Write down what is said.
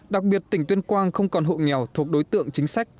đặc biệt tỉnh tuyên quang không còn hộ nghèo thuộc đối tượng chính sách